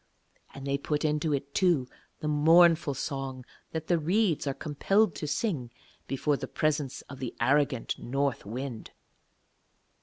And they put into it, too, the mournful song that the reeds are compelled to sing before the presence of the arrogant North Wind.